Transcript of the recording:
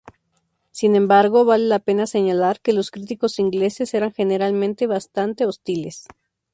Sin embargo, vale la pena señalar que los críticos ingleses eran generalmente bastante hostiles.